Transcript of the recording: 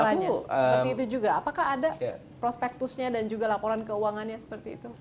seperti itu juga apakah ada prospektusnya dan juga laporan keuangannya seperti itu